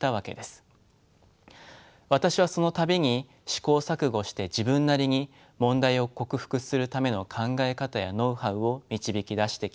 私はその度に試行錯誤して自分なりに問題を克服するための考え方やノウハウを導き出してきました。